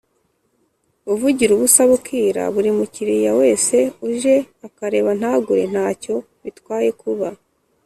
uvugira ubusa bukira, buri mukiriya wese uje akareba ntagure”. nta cyo bitwaye kuba